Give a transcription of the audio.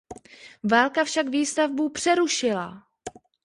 Válka však výstavbu přerušila.